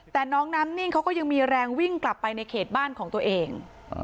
แต่น้องน้ำนิ่งเขาก็ยังมีแรงวิ่งกลับไปในเขตบ้านของตัวเอง